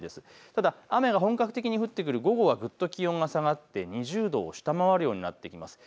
ただ雨が本格的に降ってくる午後はぐっと気温が下がって２０度を下回る予想になってきます。